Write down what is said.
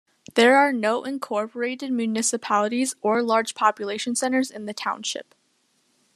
There are no incorporated municipalities or large population centers in the township.